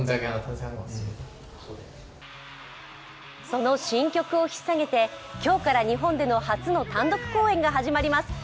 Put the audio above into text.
その新曲を引っさげて今日から日本での初の単独公演が始まります。